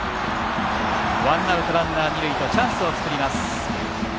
ワンアウト、ランナー、二塁とチャンスを作ります。